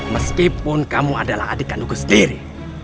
meskipun kamu adalah adikkan aku sendiri